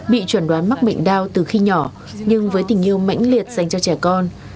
bị chuẩn đoán mắc bệnh đau từ khi nhỏ nhưng với tình yêu mạnh liệt dành cho trẻ con